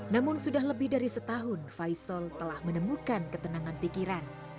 namun sudah lebih dari setahun faisal telah menemukan ketenangan pikiran